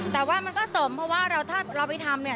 แต่ว่ามันก็สมเพราะว่าถ้าเราไปทำเนี่ย